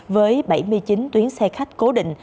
với bảy mươi chín tuyến xe khách cố định